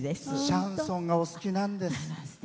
シャンソンがお好きなんです。